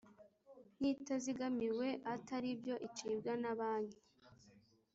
nk itazigamiwe atari byo icibwa na Banki